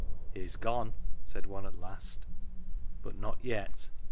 " He's gone," said one at last. But not yet.